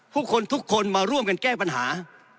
ผู้คนทุกคนมาร่วมกันแก้ปัญหา